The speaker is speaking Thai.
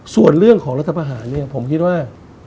ส่วนเรื่องของรัฐภาษาภาคมนี่ผมคิดว่า